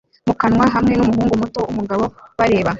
mu kanwa hamwe n'umuhungu muto n'umugabo bareba